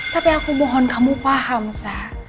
tapi aku mohon kamu paham saya